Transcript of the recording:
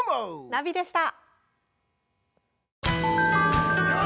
ナビでした。